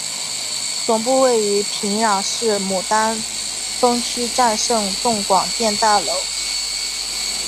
总部位于平壤市牡丹峰区战胜洞广电大楼。